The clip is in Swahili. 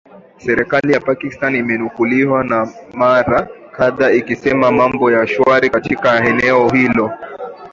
serikali ya pakistan imenukuliwa mara kadhaa ikisema mambo ni shwari katika eneo hilo